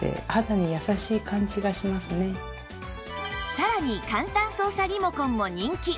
さらにかんたん操作リモコンも人気